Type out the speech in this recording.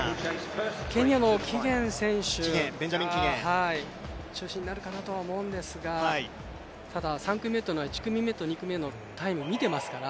ケニアのキゲン選手が中心になるかなとは思うんですがただ１組目と２組目のタイムを見ていますから。